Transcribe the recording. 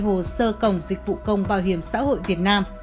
hướng dẫn đăng ký tài khoản trên cổng dịch vụ công bảo hiểm xã hội việt nam